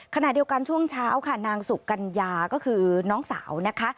ขณะเดียวกันช่วงเช้าค่ะนางสุกัญญาก็คือน้องสาวนะคะ